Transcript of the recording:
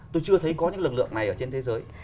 tôi chưa thấy có những lực lượng này ở trên thế giới